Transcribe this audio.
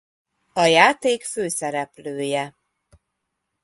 A játék főszereplője.